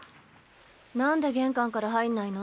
なんで玄関から入んないの？